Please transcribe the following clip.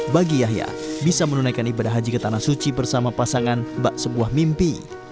bagi yahya bisa menunaikan ibadah haji ke tanah suci bersama pasangan bak sebuah mimpi